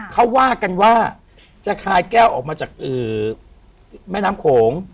เขาว่ากันว่าจะคลายแก้วออกมาจากแม่น้ำโขง